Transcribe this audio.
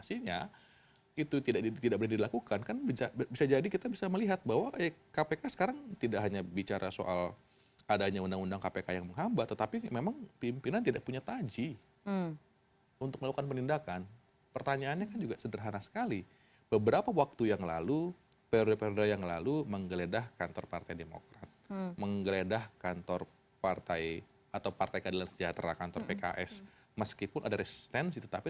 itu cukup menggelikan sebenarnya